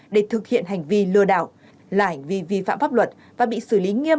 để thực hiện hành vi lừa đảo là hành vi vi phạm pháp luật và bị xử lý nghiêm